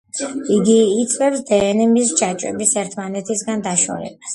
იგი იწვევს დნმ-ის ჯაჭვების ერთმანეთისგან დაშორებას.